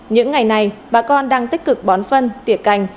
những ngày này bà con đang tích cực bón phân tiệc cành